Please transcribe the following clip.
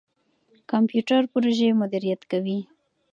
کمپيوټر پروژې مديريت کوي.